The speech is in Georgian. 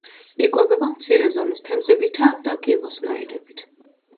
იკვებება მცირე ზომის თევზებითა და კიბოსნაირებით.